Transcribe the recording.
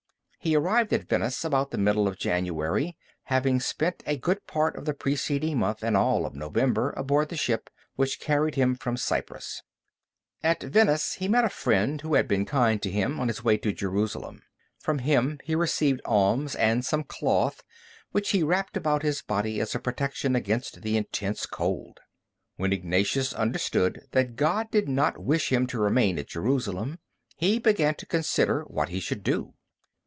He arrived at Venice about the middle of January, having spent a good part of the preceding month and all of November aboard the ship which carried him from Cyprus. At Venice, he met a friend who had been kind to him on his way to Jerusalem. From him he received alms and some cloth, which he wrapped about his body as a protection against the intense cold. When Ignatius understood that God did not wish him to remain at Jerusalem, he began to consider what he should do.